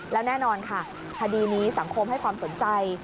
แล้วแน่นอนค่ะคดีนี้สังคมให้ความสนใจ